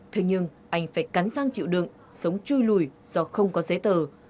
thế nhưng anh phải cắn giang chịu đựng sống chui lùi do không có giấy tờ